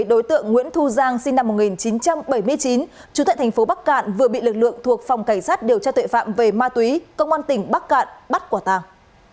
đối tượng nguyễn thu giang sinh năm một nghìn chín trăm bảy mươi chín trú tại thành phố bắc cạn vừa bị lực lượng thuộc phòng cảnh sát điều tra tuệ phạm về ma túy công an tỉnh bắc cạn bắt quả tàng